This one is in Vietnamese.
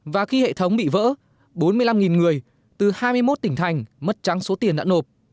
và khi hệ thống bị vỡ bốn mươi năm người từ hai mươi một tỉnh thành mất trắng số tiền đã nộp